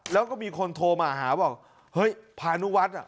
แล้วก็มีคนโทรมาหาบอกเฮ้ยพานุวัฒน์อ่ะ